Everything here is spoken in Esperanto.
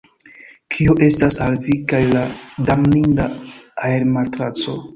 Kio estas al vi kaj la damninda aermatraco?